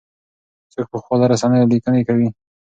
څوک په خواله رسنیو لیکنې کوي؟